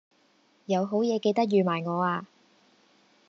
有好嘢記得預埋我呀